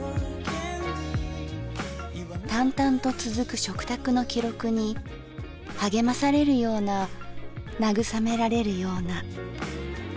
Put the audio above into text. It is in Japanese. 淡々と続く食卓の記録に励まされるような慰められるような。